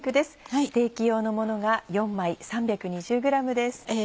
ステーキ用のものが４枚３２０ｇです。